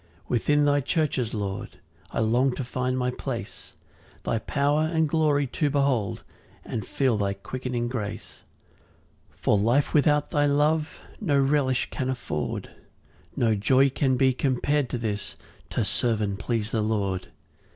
3 Within thy churches, Lord, I long to find my place, Thy power and glory to behold, And feel thy quickening grace. 4 For life without thy love No relish can afford; No joy can be compar'd to this, To serve and please the Lord.